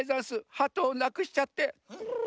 ハトをなくしちゃって。